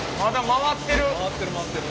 回ってる回ってる。